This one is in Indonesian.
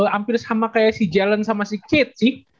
hampir sama kayak si jalen sama si kate sih